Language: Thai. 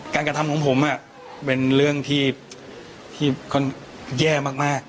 การกระทำของผมอ่ะเป็นเรื่องที่ที่คนแย่มากมาก